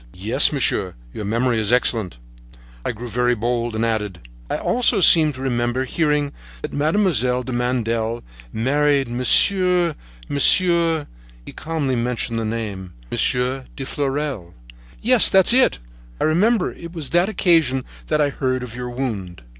"Yes, monsieur, your memory is excellent." I grew very bold and added: "I also seem to remember hearing that Mademoiselle de Mandel married Monsieur—Monsieur—" He calmly mentioned the name: "Monsieur de Fleurel." "Yes, that's it! I remember it was on that occasion that I heard of your wound."